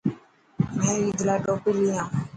مين عيد لاءِ ٽوپي لي هان.